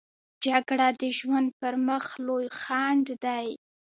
جګړه د ژوند پر مخ لوی خنډ دی